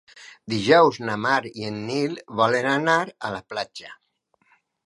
Dijous na Mar i en Nil volen anar a la platja.